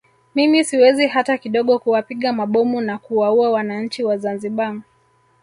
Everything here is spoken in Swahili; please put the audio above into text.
Mimi siwezi hata kidogo kuwapiga mabomu na kuwaua wananchi wa Zanzibar